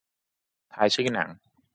ทายชื่อหนัง